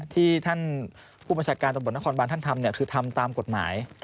ที่ท่านผู้บัญชาการตำรวจนครบานท่านทำคือทำตามกฎหมาย